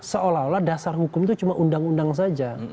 seolah olah dasar hukum itu cuma undang undang saja